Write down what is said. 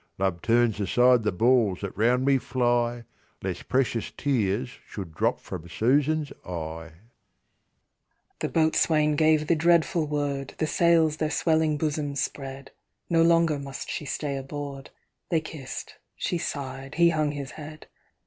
Love turns aside the balls that round me fly, Lest precious tears should drop from Susan's eye:The boatswain gave the dreadful word, The sails their swelling bosom spread, No longer must she stay aboard; They kiss'd, she sigh'd, he hung his head.